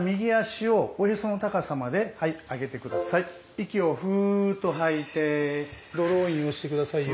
息をふっと吐いてドローインをして下さいよ。